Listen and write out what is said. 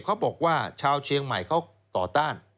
เขาบอกว่าชาวเชียงใหม่เขาต่อต้าน